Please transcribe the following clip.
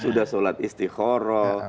sudah solat istiqoroh